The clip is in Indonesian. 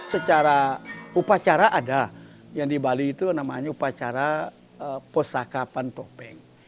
secara upacara ada yang di bali itu namanya upacara posakapan topeng